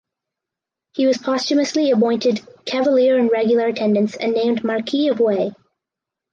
He was posthumously appointed Cavalier In Regular Attendance and named Marquis of Wei.